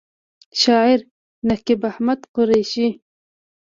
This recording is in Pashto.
شاعر: نقیب احمد قریشي